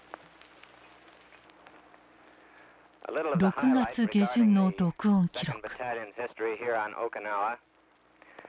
６月下旬の録音記録。